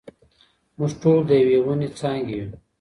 موږ ټول د يوې وني څانګي يو.